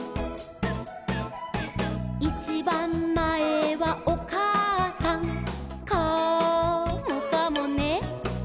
「いちばんまえはおかあさん」「カモかもね」